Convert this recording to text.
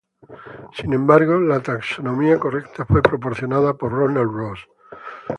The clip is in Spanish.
Sin embargo, la taxonomía correcta fue proporcionada por Ronald Ross.